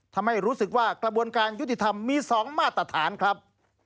ทำให้รู้สึกว่ากระบวนการยุติธรรมมี๒มาตรฐานครับ